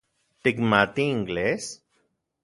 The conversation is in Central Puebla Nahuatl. ¿Tikmati inglés?